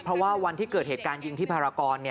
เพราะว่าวันที่เกิดเหตุการณ์ยิงที่ภารกร